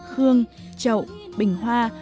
khương chậu bình hoa